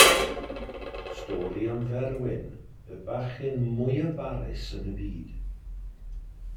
Stori am Ferwyn, y bachgen mwyaf barus yn y byd.